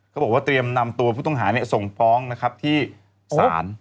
เขาบอกว่าเตรียมนำตัวผู้ต้องหาส่งฟ้องนะครับที่ศาล